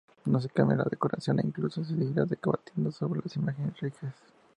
No se cambia la decoración, e incluso se seguirá debatiendo sobre las imágenes religiosas.